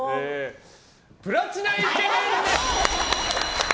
プラチナイケメンです！